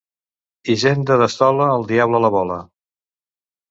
Hisenda d'estola, el diable la vola.